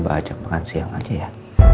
saya coba ajak makan siang aja ya